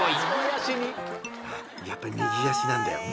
「やっぱり右足なんだよ」